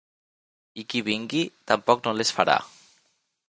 I qui vingui, tampoc no les farà.